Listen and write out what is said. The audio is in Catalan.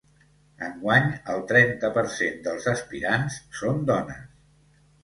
Enguany el trenta per cent dels aspirants són dones.